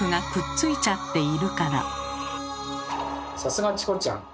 さすがチコちゃん！